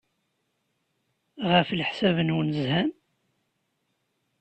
Ɣef leḥsab-nwen, zhan?